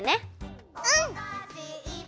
うん！